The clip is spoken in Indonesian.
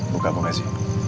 buka buka sih